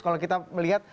kalau kita melihat